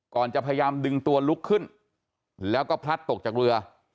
จะพยายามดึงตัวลุกขึ้นแล้วก็พลัดตกจากเรือ